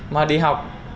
mà đi học